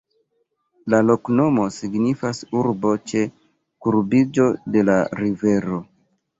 La loknomo signifas: urbo ĉe kurbiĝo de la rivero.